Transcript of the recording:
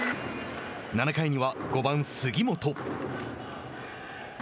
７回には、５番杉本。